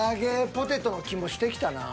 ポテトの気もしてきたな。